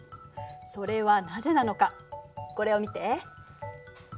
それはなぜなのかこれを見て。